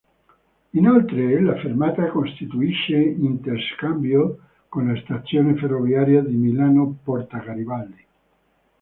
Inoltre, la fermata costituisce interscambio con la stazione ferroviaria di Milano Porta Garibaldi.